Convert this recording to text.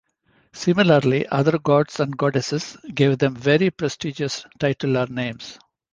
Similarly, other gods and goddesses gave them very prestigious titular names.